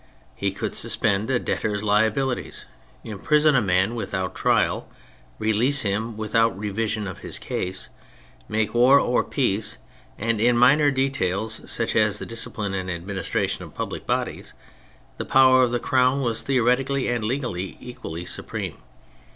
He could suspend a debtor's liabilities, imprison a man without trial, release him without revision of his case, make war or peace, and in minor details such as the discipline and administration of public bodies, the power of the Crown was theoreti cally and legally equally supreme.